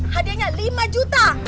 hadiahnya lima juta